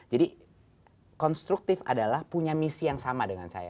jadi konstruktif adalah punya misi yang sama dengan saya